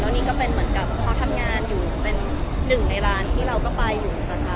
นี่ก็เป็นเหมือนกับเขาทำงานอยู่เป็นหนึ่งในร้านที่เราก็ไปอยู่ประจำ